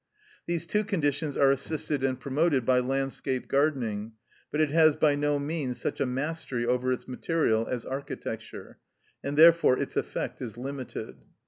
These two conditions are assisted and promoted by landscape gardening, but it has by no means such a mastery over its material as architecture, and therefore its effect is limited.